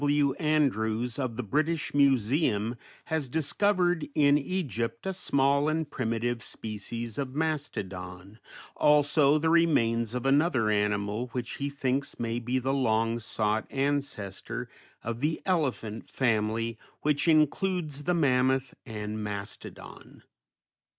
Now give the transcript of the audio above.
W. Andrews of the British Museum has discovered in Egypt a small and primitive species of mastodon, also the remains of another animal which he thinks may be the long sought ancestor of the elephant family, which includes the mammoth and mastodon.